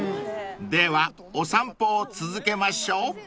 ［ではお散歩を続けましょう］